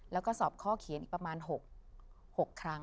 แล้วก็สอบข้อเขียนอีกประมาณ๖ครั้ง